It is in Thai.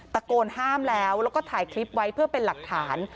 ตะโกนห้ามแล้วแล้วก็ถ่ายคลิปไว้เพื่อเป็นหลักฐาน